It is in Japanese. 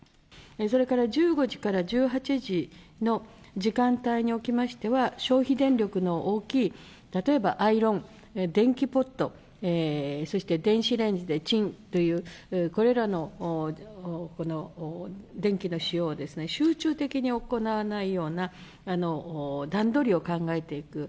それから１５時から１８時の時間帯におきましては、消費電力の大きい、例えばアイロン、電気ポット、そして電子レンジでチンという、これらの電気の使用を集中的に行わないような段取りを考えていく。